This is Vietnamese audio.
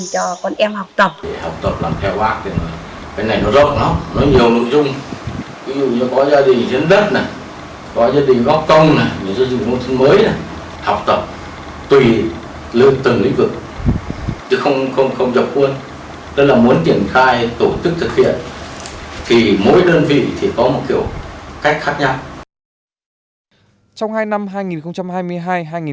nên là muốn triển khai tổ chức thực hiện thì mỗi đơn vị có một kiểu cách khác nhau